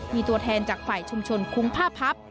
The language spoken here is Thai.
มีตัวแทนจากฝ่ายชุมชนคุ้งผ้าพับ